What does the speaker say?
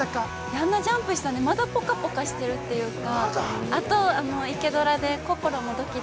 ◆あんなジャンプしたんで、まだぽかぽかしてるというか。